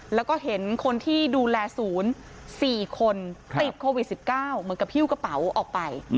แล้วก็เห็นคนที่ดูแลศูนย์๔คนติดโควิด๑๙เหมือนกับฮิ้วกระเป๋าออกไป